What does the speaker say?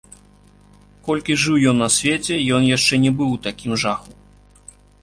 Колькі жыў ён на свеце, ён яшчэ не быў у такім жаху.